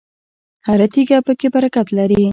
هره تیږه پکې برکت لري.